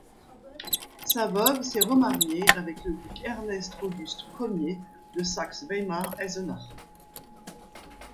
Sa veuve s'est remariée avec le duc Ernest-Auguste Ier de Saxe-Weimar-Eisenach.